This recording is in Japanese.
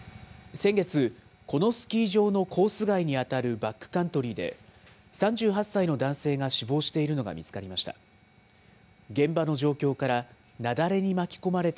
先月、このスキー場のコース外に当たるバックカントリーで、３８歳の男性が死亡しているのが見つかりました。